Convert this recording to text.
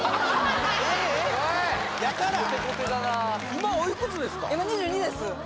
今おいくつですか？